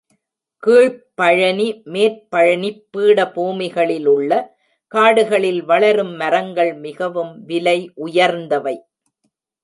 கீழ்ப் பழனி, மேற் பழனிப் பீடபூமிகளிலுள்ள காடுகளில் வளரும் மரங்கள் மிகவும் விலை உயர்ந்தவை.